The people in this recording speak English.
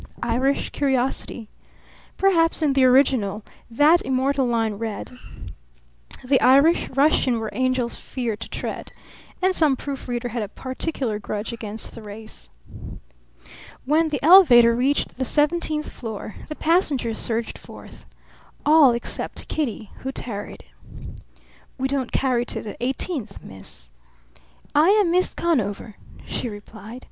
Irish curiosity. Perhaps in the original that immortal line read: "The Irish rush in where angels fear to tread," and some proofreader had a particular grudge against the race. When the elevator reached the seventeenth floor, the passengers surged forth. All except Kitty, who tarried. "We don't carry to the eighteenth, miss. "I am Miss Conover," she replied.